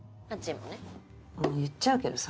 もう言っちゃうけどさ。